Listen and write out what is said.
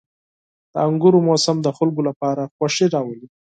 • د انګورو موسم د خلکو لپاره خوښي راولي.